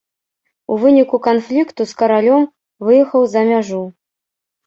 У выніку канфлікту з каралём выехаў за мяжу.